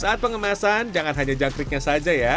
saat pengemasan jangan hanya jangkriknya saja ya